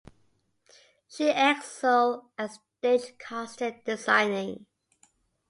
She excelled at stage costume designing.